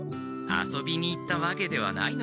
遊びに行ったわけではないので。